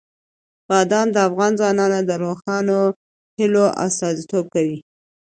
بادام د افغان ځوانانو د روښانه هیلو استازیتوب کوي.